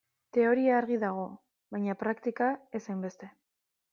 Teoria argi dago, baina praktika ez hainbeste.